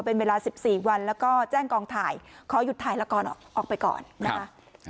เป็นเวลา๑๔วันแล้วก็แจ้งกองถ่ายขอหยุดถ่ายละครออกไปก่อนนะคะ